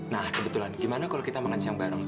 nah kebetulan gimana kalau kita makan siang bareng